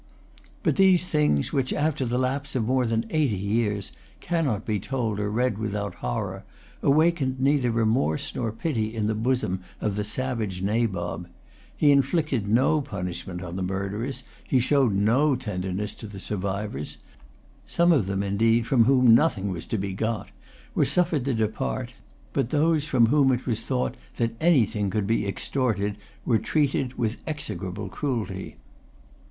But these things—which, after the lapse of more than eighty years, cannot be told or read without horror—awakened neither remorse nor pity in the bosom of the savage Nabob. He inflicted no punishment on the murderers. He showed no tenderness to the survivors. Some of them, indeed, from whom nothing was to be got, were suffered to depart; but those from whom it was thought that anything could be extorted were treated with execrable cruelty.